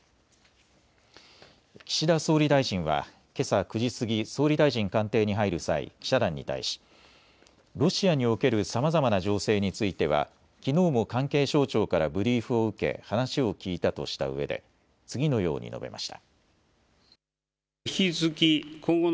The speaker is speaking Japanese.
岸田総理大臣はけさ９時過ぎ総理大臣官邸に入る際、記者団に対しロシアにおけるさまざまな情勢については、きのうも関係省庁からブリーフを受け話を聞いたとしたうえで次のように述べました。